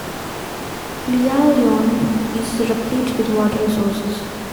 Liaoyuan is replete with water resources.